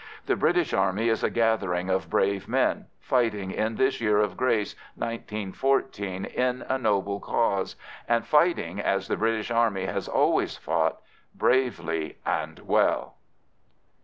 The British Army is a gathering of brave men, fighting in this year of grace 1914 in a noble cause, and fighting, as the British Army has always fought, bravely and well.